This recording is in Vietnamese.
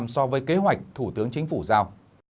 so với kế hoạch thủ tướng chính phủ giao